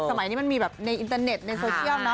สมัยนี้มันมีแบบในอินเตอร์เน็ตในโซเชียลเนอ